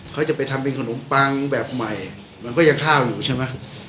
เขาจะไปทำเป็นขนมปังแบบใหม่มันก็ยังข้าวอยู่ใช่ไหม